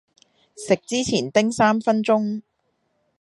食之前叮三分鐘